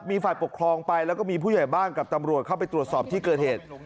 มีฝ่ายปกครองไปแล้วก็มีผู้ใหญ่บ้านกับตำรวจเข้าไปตรวจสอบที่เกิดเหตุ